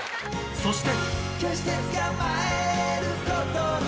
そして